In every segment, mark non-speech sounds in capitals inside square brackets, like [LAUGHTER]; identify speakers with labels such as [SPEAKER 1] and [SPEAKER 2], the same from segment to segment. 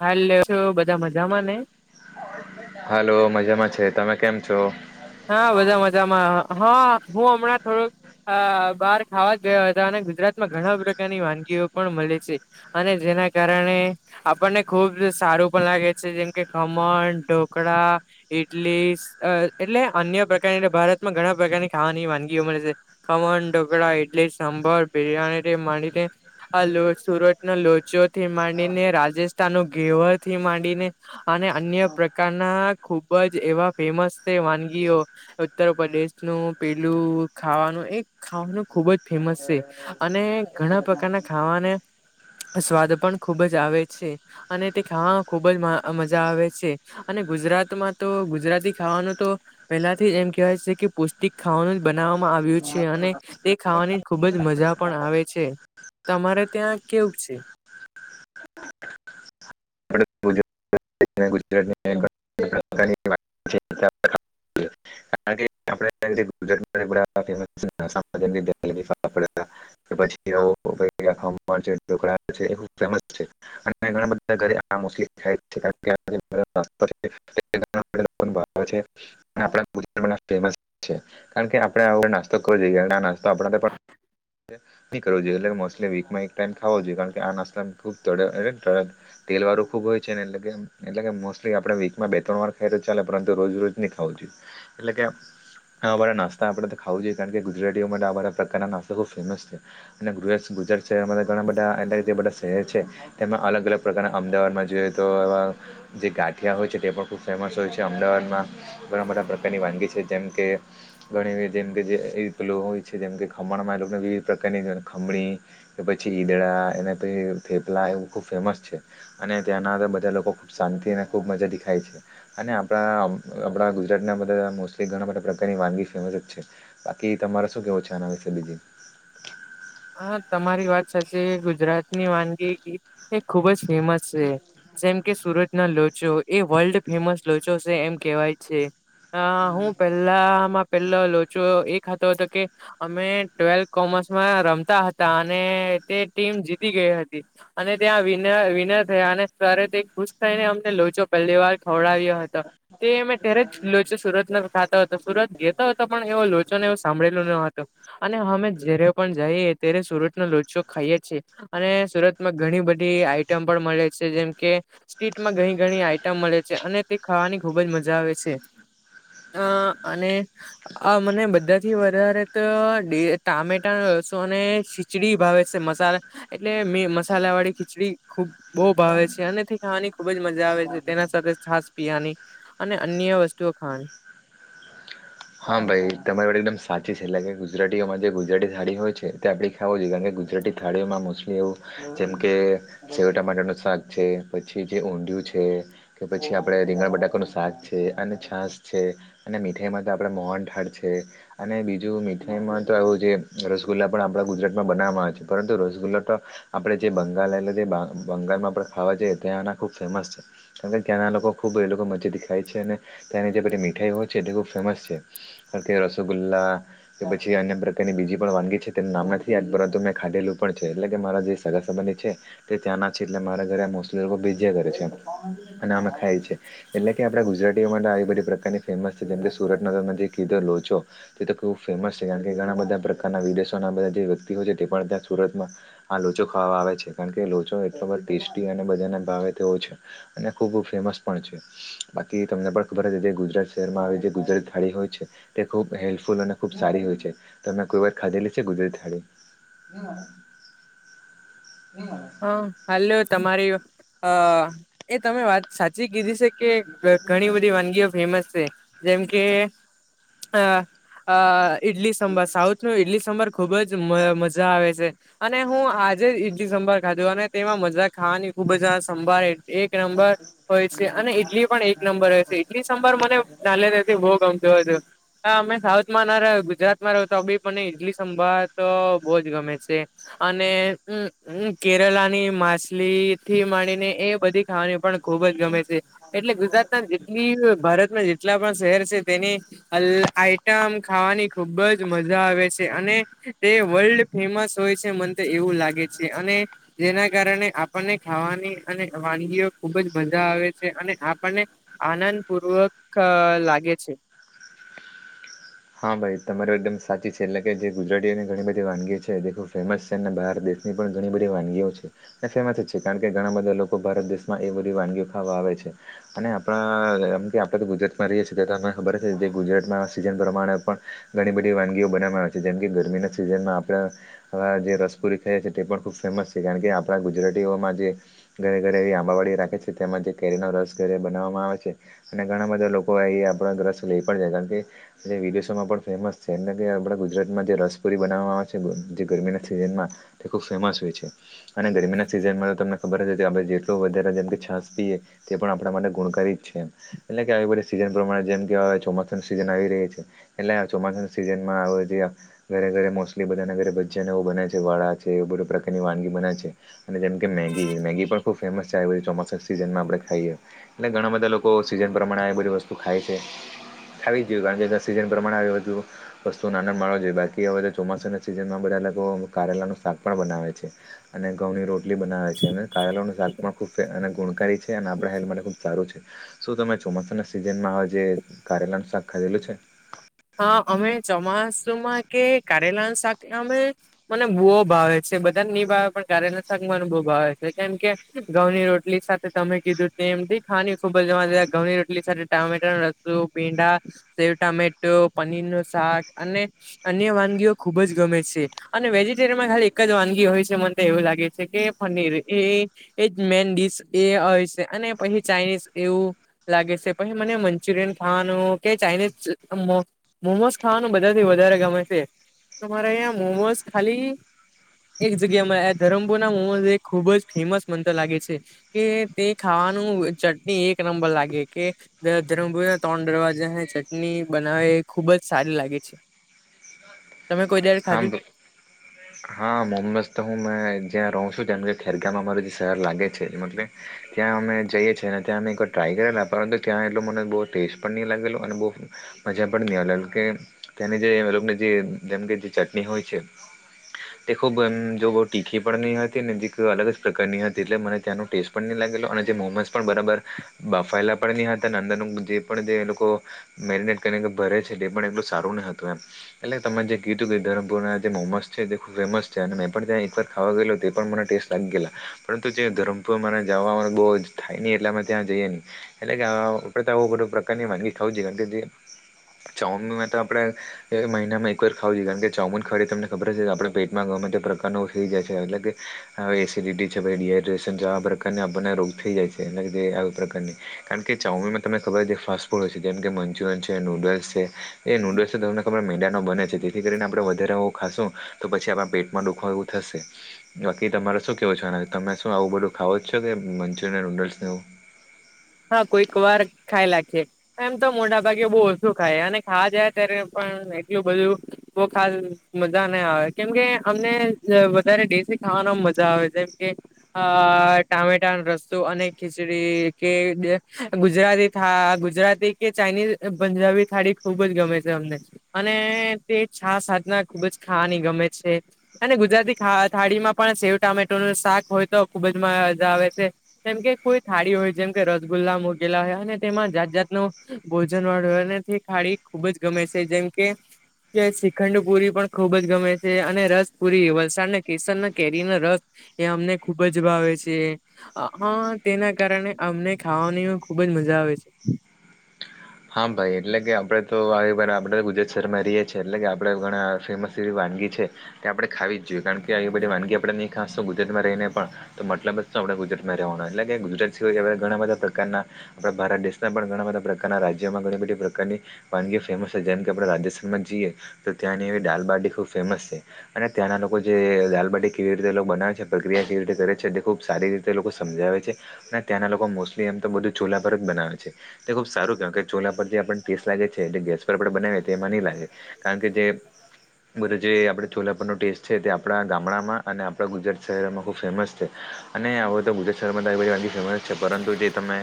[SPEAKER 1] હાલો છો બધા મજામાં ને
[SPEAKER 2] હાલો મજામાં છે તમે કેમ છો.
[SPEAKER 1] હા મજા મજામાં હા હું હમણાં થોડોક બહાર ખાવા ગયા હતા અને ગુજરાતમાં ઘણા પ્રકારની વાનગીઓ પણ અને જેના કારણે આપણને ખુબ સારું પણ લાગે છે જેમકે ખમણ પણ ઢોકળા ઈડલી એટલે અન્ય પ્રકારની એલે ભારતમાં ઘણા પ્રકારની ખાવાની વાનગીઓ મળે છે, ખમણ ઢોકળા ઇડલી બર બિરિયાની થી માંડી ને આ સુરત ન લોચોથી માંડીને રાજસ્થાન ઘેવર થી માંડીને અને અન્ય પ્રકારના ખુબ જ એવા ફેમસ વાનગીઓ ઉત્તર પ્રદેશનું પેલું ખાવાનું એ ખાવાનું ખુબ જ ફેમસ મસી અને ઘણા પ્રકારના ખાવાને સ્વાદ પણ ખુબ જ આવે છે. અને તે ખાવામાં ખુબ જ મજા આવે છે. અને ગુજરાત માં તો ગુજરાતી ખાવાનું તો પહેલાથી એમ કહેવાય છે. કે પૌષ્ટિક ખાવાનું જ બનાવવામાં આવ્યું છે. અને તે ખાવાની ખૂબ ખૂબજ મજા પણ આવે છે. તમારે ત્યાં કેવું છે. [INAUDIBLE]
[SPEAKER 2] આપણે ગુજરાતની પ્રકારની હેલ્થી હતા [UNINTELLIGIBLE] પછી ઓલો એ ખમન ફેમસ છે અને ઘણા બધા ઘરે [UNINTELLIGIBLE] [UNINTELLIGIBLE] ફેમસ કારણ કે આપણે આવ નાસ્તો કરવો જોઈએ આ નાસ્તો આપણા પણ [UNINTELLIGIBLE] વ જોઈએ એટ મોલી વીકમાં એક ટાઈમ ખો જોઈએ કારણ કે આ નાસ્તા ખૂબ તેલ વાળું ખુબ હોય છે. ને એટલે કે એટલે કે મોસ્ટલી આપણે વીક માં બે ત્રણ વાર ખાઈ તો ચાલે પરંતુ રોજ રજ નહીં ખાવુ એટલે કે. બાહર નાસ્તા આપડે તો ખાવું જોઈએ કારણ કે ગુજરાતીઓ માટે આ બધા પ્રકારના નાસ્તા ખુબ ફેમસ છે. અને ગુજરાત છે. ઘણા બધા એ જે બધા શહેર છે. તેમાં અલગ અલગ પ્રકારના અમદાવાદમાં જોઈએ તો જે ગાઠિયા હોય છે. તે પણ ખુબ ફેમસ હોય છે. અમદાવાદમાં ઘણા બધા પ્રકારની વાનગી છે. જેમ કે ઘણી જેમ કે જે લોચો હોય છે. જેમકે ખમણમાં એ લોકોને વિવિધ પ્રકારની સેવખમણી. કે પછી ઈદડા એ પછી થેપલા એવું ખુબ ફેમસ છે. અને ત્યાંના બધા લોકો ખૂબ શાંતિ અને ખૂબ મજા દેખાય છે. અને આપણા આપણા ગુજરાત ના બધા મોસલી ઘણા બધા પ્રકારની વાનગી ફેમસ જ છે. બાકી તમારે શું કેવો છે. આના વિશે બીજી
[SPEAKER 1] હા તમારી વાત સાચી ગુજરાતની વાનગીની એ ખુબ જ ફેમસ છે. જેમ કે સુરત ના લોચો એ વર્લ્ડ ફેમસ લોચો છે. એમ કેહેવાય છે. હા હું પેલામાં પેલો લોચો એ ખાતો હતો કે અમે ટ્વેલ્થ કોમર્સમાં રમત હતા અને તે ટીમ જીતી ગઈ હતી અને ત્યાં વિ વિનર થયા અને ખુશ થઈ ને અમને લોચો પહેલી વાર ખવડાવ્યા હતો તે અમે ઘરે જ લોચો સુરત ખાતા હતો સુરત ગયો હતો પણ એવો લોચો ને એવું સાંભળેલું ન હતું અને અમે જ્યારે પણ જઈએ ત્યારે સુરતના લોચો ખાઈએ છીએ અને સુરતમાં ઘણી બધી આઈટમ પણ મળે છે, જેમ કે સ્ટ્રૅટ માં ઘણી ઘણી આઈટમ મળે છે. અને તે ખાવાની ખુબ જ મજા આવે છે. અ અને આ મને બધાથી વધારે તો ટામેટા લસુણ ખીચડી ભાવે છે. મસાલા એટલે મે મસાલા વાળી ખીચડી ખૂબ બહુ ભાવે છે અને તી ખાવાની ખુબ જ મજા આવે છે. તેના સાથે છાસ પિયાની અને અન્ય વસ્તુઓ ખાવાની
[SPEAKER 2] હા ભાઈ તમારી વાત એકદમ સાચી છે એટલે કે ગુજરાતીઓમાં જે ગુજરાતી થાળી હોય છે તે આપડી ખાવી જોઈએ કારણ કે ગુજરાતી થાળીઓમાં મોસ્લી એવું જેમકે સેવ ટમાટરનું શાક છે પછી જે ઉંધિયુ કે પછી આપે રીંગણ બટાકાનુ શાક છે અને છાસ છે અને મીઠાઈ માં તો આપડે મોહન થાળ છે. અને બીજું મીઠાઈમાં તો આવું જે રસગુલ્લા પણ આપણા ગુજરાતમાં બનાવવામાં પરંતુ રસગુલ્લા તો આપણે જે બંગાળ બંગાળમાં ખાવાએ તં ખુબ ફેમસ કારણકે ત્યાંના લોકો ખુબ એ લોકો મજા દેખાય છે. અને ત્યાંની જે બધી મીઠાઈ હોય છે એ ખુબ ફેમસ છે. રસગુલ્લા કે પછી અન્ય પ્રકારની બીજી પણ વાનગી છે તેનું નામ નથી યાદ ખાધેલું પણ છે એટલે કે મારા જે સગા સંબંધી છે તે ત્યાં ના છે એટલે મારા ઘરે મોલી લોકો ભેજીયા કરે છે. અને આમે ખાય છે એટલે કે આપડા ગુજરાતીઓ માટે આવી બધી પ્રકારની ફેમસ છે જેમ કે સુરત ગર જે કીધર લોચો છો તે તો ખુબ ફેમસ છે કારણ કે ઘણા બધા પ્રકારના વિદેશો બધા જે વ્યક્તિઓ છે પણ ત્યાં સુરતમાં આ લોચો ખાવામાં આવે છે કારણ કે લોચો એટલો બધ ટેસ્ટી અને બજાના ભાવે તેવો અને ખુબ ફેમસ પણ છે બાકી તમને ખબર જે ગુજરાત શહેરમાં આવે ગુજરાત થાળી હોય છે તે ખુબ હેલ્પફુલ અને ખુબ સારી હોય છે. તમે કોઈ વાર ખાધેલી છે ગુજરાતી થાળી [UNINTELLIGIBLE]
[SPEAKER 1] [INAUDIBLE] હા હાલ તમારી અ એ તમે વાત સાચી કીધી છે કે ઘ ઘણી બધી વાનગીઓ ફેમસ છે જેમ કે અ અ ઇડલી સભાર સાઉથ નું ઇડલી સભાર ખુબ જ મ મજા આવે છે અને હું આજે જ ઇડલી સંભાર ખાધું અને તેમાં મજા ખાવાની ખુબ જ અ સંભાએ એક નંબર હોય છે અને ઇટલી પણ એક નંબર હોય છે ઈટલી સંંભર મને [UNINTELLIGIBLE] બહુ ગમ [UNINTELLIGIBLE] જો અમે સાઉથમાં ના રહ ગુજરાત માં રહ તો બી પણને ઈડલી સંભાર તો બહુજ ગમે છે અને ઉમમ ઉમમ કેરલા ની માછલી થી માંડીને એ બધી ખાવાની પણ ખુબ જ ગમે છે એટલે ગુજરાતના જેટલી ભારતના જેટલા પણ શહેર છે તેની અલ્ આઈટમ ખાવાની ખુબ જ મજા આવે છે અને તે વર્લ્ડ ફેમસ હોય છે મન તો એવું લાગે છે અને જેના કારણે આપણને ખાવાની અને વાનગીઓ ખુબ જ મજા આવે છે અને આપણને આનંદ પૂર્વક અ લાગે છે.
[SPEAKER 2] હા ભાઈ તમાર એકદમ સાચી છે એટલે કે જે ગુજરાતીઓની ઘણી બધી વાનગી છે દેખ ફેમસ છે ને બહારદેશ ની પણ ઘણી બધી વાનગીઓ છે અને ફેમસ છે કારણ કે ઘણા બધા લોકો ભારત દેશમાં એ બધી વાનગીઓ ખાવા આવે છે આપમ કે આપડે તો ગુજરાત માં રએ છીએ તો તને ખબર છે કે ગુજરાતમા સિ પ્રમાણે પણ ઘણી બધી વાનગીઓ બનાવવામાં આવે છે જેમ કે ગરમીના સિઝનમાં આપણે અ જે રસપુરી [UNINTELLIGIBLE] છે તે પણ ખુબ ફેમસ છે કારણ કે આપણા ગુજરાતીઓમાં જે ઘરે ઘરે એવી આંબાવાડી રાખે છે તેમાં જે કેરીનો રસ ઘરે બનાવવામાં આવે છે અને ઘણા બધા લોકો એ આપણા રસ લઈ પણ જાય કારણ કે જે વિદેશોમાં પણ ફેમસ છે એમને કે આપણા ગુજરાતમાં જે રસપુરી બનાવવામાં આવે છે જે ગરમીના સિઝનમાં તે ખુબ ફેમસ હોય છે અને ગરમી ના સીઝન માં તમને જ હથી આ બાજુ એટલું વધારે છાસ પિયે તે પણ આપણા માટે ગુણકારી જ છે એટલે કે આવી બધી સીઝન પ્રમાણે જેમ કે ચોમાસાની સીઝન આવી રહી એટલે ચોમાસાના સિઝનમાં હવે જે ઘરે ઘરે મોસ્ટલી બધાના ઘરે ભજીયાને એવું બને છે વડા છે એ બધા પ્રકારની વાનગી બને છે અને જેમ કે મેગી મેગી પણ ખુબ ફેમસ છે આ બધી ચોમાસા સિઝનમાં આપણે ખાઈએ એટલે ઘણા બધા લોકો સિઝન પ્રમાણે આવી બધી વસ્તુ ખાય છે. ખાવી જ જોઈએ [UNINTELLIGIBLE] સિઝન પ્રમાણે આવી, બધુ વસ્તુન આન માળવો જોઈએ બાકી હવે તો ચોમાસાના સિઝનમાં બધા લોકો કારેલાનું શાક પણ બનાવે છે, અને ઘઉંની રોટલી બનાવે છે, અને કારેલા નું શાક પણ ખૂબ‌ અને ગુણકારી છે. આપણા હેલ્થ માટે ખૂબ સારું છે, શું તમે ચોમાસાના સિઝનમાં હવે જે કારેલાનું શાક ખાધેલું છે?
[SPEAKER 1] હા, અમે ચોમાસ તોમાકે કારેલા ન શાખ નમ મને બુ ભાવે છે બધાને નિ ભાવે પણ કારેલા શા મને બવ ભાવે છે, કેમ કે ઘઉની રોટલી સાથે તમે કીધું તેમ થી ખાની ખુબ જ મજ રોટલી સાથે, ટામેટા લસુ ભીંડા સેવ ટામેટ પનીર નુ શાક અને અન્ય વાનગીઓ ખુબ જ ગમે છે, અને વેજીટેરયમાં ખાલી એક એક જ વાનગી હોય છે, મન તો એવું લાગે છે કે પનીર એ એજ મેન ડીશ એ હોય છે. એ પહી ચાઇનીઝ એવું લાગે છે, પહી મને મંચુરિયન ખાવાનું કે ચાઇનીઝ અ મો મોમોસ ખાવાનુ, બધાથી વધારે ગમે છે. તમારે, અઇયા મોમોસ ખાલી એક જગ્યામાં એ ધરમપુરના મો ખુબ જ ફેમસ મન તો લાગે છે, કે તે ખાવાનું નુ ચટણી એક નંબર લાગે, કે ધરમપુર ના ત્રણ દરવાજાન ચટણી બનાવે એ ખુબજ સારી લાગે છે. તમે કોઈ દાડે
[SPEAKER 2] હા, મ
[SPEAKER 1] ખાધી
[SPEAKER 2] હા મોમસ તો હુ મેં જ્યાં રઉ છું તમે ખેરગામમ અમાર જે શહેર લાગે છે, [UNINTELLIGIBLE] ત્યાં અમે જઈએ છીએ અને ત્યાં અમે વાર ટ્રાય કરેલા પર ત્યાં એટલો મને બઉ ટેસ્ટ પણ નહી લાગેલ અને બઉ મજા પણ નહી, [UNINTELLIGIBLE] તેને જે જે જેમ, કે જે ચટણી હોય છે. તે ખુબ અમ જો, બ તીખી પણ નહી. હતી ને અલગ જ પ્રકારની હતી એટલે મને ત્યાનો ટેસ્ટ પણ નહી લાગ અને જે મોમસ પણ બરાબર બફાયલા પણ ન‌ઇ હતા, અંદરનુ જે પણ તે લોકો એકરીને ભરે છે પણ એટલું સારું ન હતુ એમ એટલે તમે જે કે ધરમપુરના જે મોમસ છે, તે ખુબ ફેમસ છે અને મેં પણ ત્યાં એક વાર ખાવા ગેલો તે પણ મને ટેસ્ટ લાગી ગેલા પરંતુ જે ધરમપુર મા જવા બહુ જ થાય, નહી. એટલે ત્યાં જઈએ નહી એટલેે આવ પ્રકારની વાનગી ખાવ જોએ કારણ ચઉ, આપણેે મહિનામા એક વાર ખાવ જોઈએ, કારણ કે ચાઉમન ખાવ તમ ખબર છે આપણે પેટમાં ગમે પ્રકારનો થઈ જાય છે, એટલે કે એસિડટી ડ્રેશન આ પ્રકાર બ રોગ થઈ જાય છે, એ પ્રકારની કારણ કે ચાઉમીન ત ખબર ફાસ્ટ ફૂડ હોય છે, જેમ કે મંચુરિયન છે નૂડલ્સ છે, એ નૂડલ્સ તો તમને ખબર મેડાનો બને છે. જેથી કરીને આપડે વધારે હો, ખાશું તો પછી આપણા પેટમાં દુખો એવું થશે બાકી તમારો શું કેવો છે. તમે શું આવું બધું ખાવ જ છો, કે મંચુરિયન નુડલ્સ એવુ
[SPEAKER 1] હા, કોઈક વાર ખાઈ લખી એમ તો મોટા ભાગે બહુ ઓછુ ખાય, અને ખાવા જાય ત્યારે એટલુ બધું ખ મજા નાહી, આવે કેમકે અમને વધારેેશ ખાવાનો મજા આવે, જેમ કે અ ટામેટા ન રસો અને ખીચડી કે ગુજરાતી થા, ગુજરાતી કે ચાઇનીઝ પંજાબી થાળી ખુબ જ ગમે છે. તે છા, સાધના ખુબ જ ખાવાની ગમે છે અને ગુજરાતી ખાવા થાળીમા પણ સેવ ટામેટો નુ શાક હોય, તો ખુબજ મ મજા આવે છે, કેમ કે કોઈ થાળી હોય જેમ રસગુલ્લા મોગેલા હોય, અને તેમાં જાત જાત ન ભોજન વાળય અને તે ખાડી ખુબજ ગમે છે. જેમ કે કે શ્રીખંડ પુરી પણ ખુબજ ગમે છે, અને રસ પુરી વલસાડના કેસનના કેરી ના રસ એ અમને ખૂબજ ભાવે છે, હ તેના કારણે અમને ખાવાની ખુબજ મજા આવે છે.
[SPEAKER 2] હા, ભાઈ એટલે કે આપડે તો આપડે ગુજરાત શહેરમાં રહીએ છીએ, એટલે કે આપડે ઘણા ફેમસ જેવી વાત આપણે ખાવી જ જોઈએ, કારણ કે બધી વાનગી આપણે નહી, ખાસશ તો ગુજરાતમાં રહીને પણ તો મતલબ જ આપ ગુજરાતમા રહેવાનુ, એટલે કે ગુજરાત સવાય, ઘણા બધા પ્રકારના આપણા ભારત દેશના પણ ઘણા બધા પ્રકાર ના રાજ્યોમા ઘણી બધી પ્રકારની વાનગી ફેમસ છે. જેમ કે આપણે રાજસ્થાનમાં જઈએ તો ત્યાંની એવી ડાલબાડી ખબ ફેમસ છે, અને ત્યાંના લોકો જે દાલબાટી કેવી રીતે બનાવે છે, પ્રક્રિયા કેવી રીતે કરે છે ખ સારી રીતે લોકો સમજાવે છે, અને ત્યાંના લોકો મોસ્ટલી એમ તો બધું ચોલા પર જ બનાવે છે તે ખુબ સારુ કારણકે ચોલા પર જે આપણને ટેસ લાગે છે, તે ગેસ પર પણ બનાવી એમાં નહી. લાગે કારણ કે જે બધ જે આપડે છોલાપરનો ટેસ્ટ છે, તે આપણા ગામડામાં અને આપણા ગુજરાત શહેરમાં ખુબ ફેમસ છે. અને હવે તો ગુજરાત શહેરમાં ફેમસ છે પરંતુ જે તમે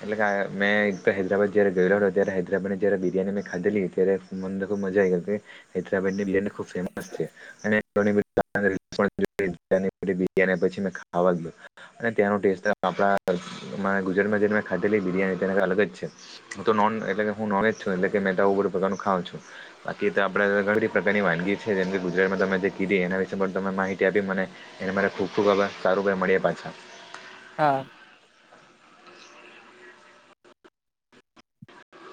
[SPEAKER 2] એટલે કે મે હૈદરાબાદ. જયારે ગયેલો હોય ત્યારે હૈદરાબાદને જયારે બિરયાનીં ખાધેલી ત્યારે મને ખૂબ મજા આ ગ કે હૈદરાબા ની બ. ખૂબ ફેમસ છે અને બરની પછી મેં ખાવા જું. અને તેનો ટેસ્ટ આપડા ગુજરાતમાં જે મે ખાધેલી બિરિયાની તેને અલગ જ છે. હ તો એટલે હું નોજ છું એટલે મે બધું પ્રકારનું ખાવં છું બાકી આપ ઘ પ્રકારની. વાનગી છે જેમ કે ગુજરાતમાં તમે જે કીધી એના વિશે પણ તમે માહિતી આપી મને એને મારે ખૂબ ખુબ સારું. મળ્યા પાછા.
[SPEAKER 1] હા.